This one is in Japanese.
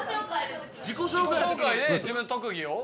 「自己紹介で自分の特技を？」